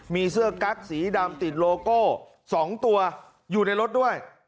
มีเสื้อกั๊กสีดำติดโลโก้๒ตัวอยู่ในรถด้วย